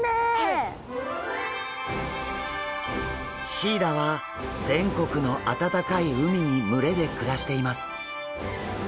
シイラは全国の温かい海に群れで暮らしています。